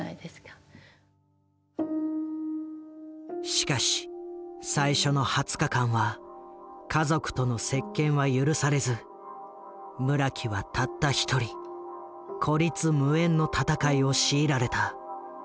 しかし最初の２０日間は家族との接見は許されず村木はたった１人孤立無援の闘いを強いられた。